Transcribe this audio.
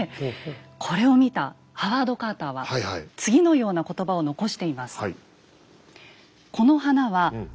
これを見たハワード・カーターは次のような言葉を残しています。